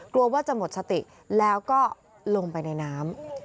กลัวว่าจะหมดสติแล้วก็ลงไปในน้ำ